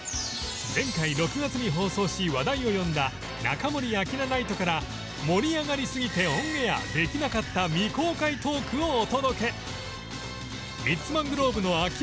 前回６月に放送し話題を呼んだ「中森明菜ナイト！」から盛り上がりすぎてオンエアできなかった未公開トークをお届け！